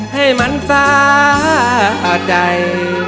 ให้มันสะใจ